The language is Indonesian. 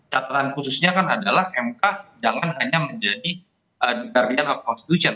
catatan khususnya kan adalah mk jangan hanya menjadi guardian of constitution